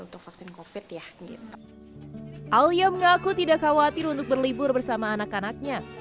untuk vaksin covid ya gitu alia mengaku tidak khawatir untuk berlibur bersama anak anaknya